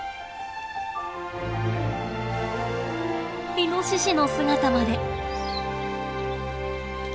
イノシシの姿まで。